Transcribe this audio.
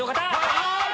はい！